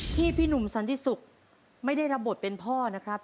พี่หนุ่มสันติศุกร์ไม่ได้รับบทเป็นพ่อนะครับ